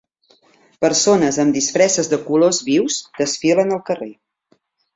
Persones amb disfresses de colors vius desfilen al carrer.